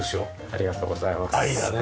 ありがとうございます。